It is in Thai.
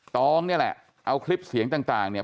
ตองเนี่ยแหละเอาคลิปเสียงต่างเนี่ย